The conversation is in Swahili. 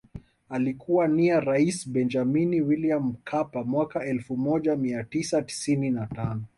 Alikuwa nia rais Benjamini Wiliam Mkapa mwaka elfu moja mia tisa tisini na tano